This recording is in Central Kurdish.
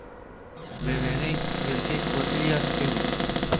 بە وێنەی هێلکەی کۆتر، یا کەوێ